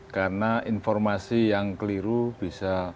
karena informasi yang keliru bisa